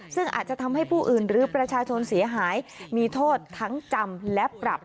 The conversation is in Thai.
ซึ่งอาจจะทำให้ผู้อื่นหรือประชาชนเสียหายมีโทษทั้งจำและปรับ